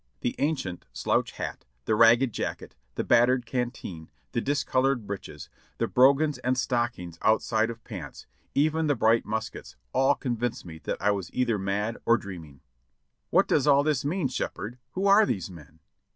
The ancient slouch hat, the ragged jacket, the battered canteen, the discolored breeches, the brogans and stockings outside of pants, even the bright muskets, all convinced me that I was either mad or dream ing. "What does all this mean. Shepherd; who are these men?"